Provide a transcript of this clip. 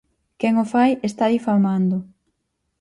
Quen o fai está difamando.